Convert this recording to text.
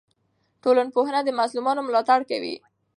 ټولنپوهنه د مظلومانو ملاتړ کوي.